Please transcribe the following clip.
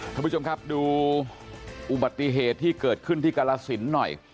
ท่านผู้ชมครับดูอุบัติเหตุที่เกิดขึ้นที่กรสินหน่อย